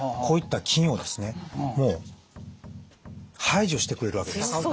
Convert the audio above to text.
こういった菌をですねもう排除してくれるわけです。